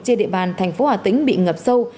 trên địa bàn thành phố hà tĩnh bị ngập sâu